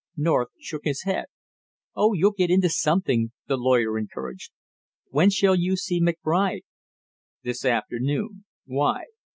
North shook his head. "Oh, you'll get into something!" the lawyer encouraged. "When shall you see McBride?" "This afternoon. Why?"